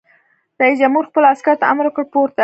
رئیس جمهور خپلو عسکرو ته امر وکړ؛ پورته!